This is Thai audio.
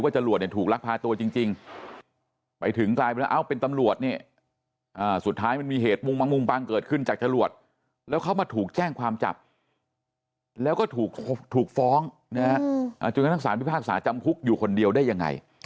จึงกับทักษานพิพากษาจำคุกอยู่คนเดียวได้ยังไง